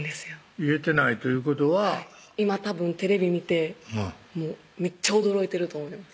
言えてないということは今たぶんテレビ見てめっちゃ驚いてると思います